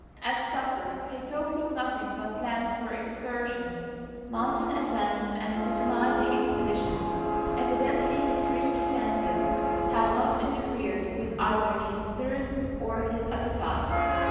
At supper he talked of nothing but plans for excursions, mountain ascents, and botanizing expeditions. Evidently his dreamy fancies had not interfered with either his spirits or his appetite.